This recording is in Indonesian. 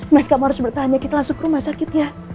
mas kamu harus bertanya kita langsung ke rumah sakit ya